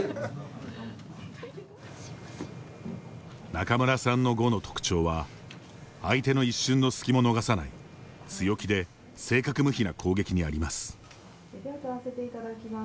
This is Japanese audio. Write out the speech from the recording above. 仲邑さんの碁の特徴は相手の一瞬の隙も逃さない強気で正確無比な攻撃にあります。